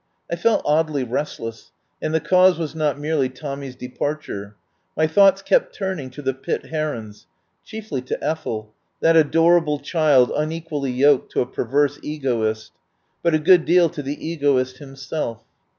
I felt oddly restless, and the cause was not merely Tommy's departure. My thoughts kept turning to the Pitt Herons — chiefly to Ethel, that adorable child unequally yoked to a perverse egoist, but a good deal to the egoist himself.